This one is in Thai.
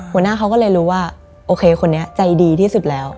หัวหน้าเขาก็เลยรู้ว่าโอเคคนนี้ใจดีที่สุดแล้ว